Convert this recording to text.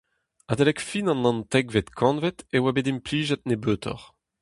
Adalek fin an naontekvet kantved e oa bet implijet nebeutoc'h.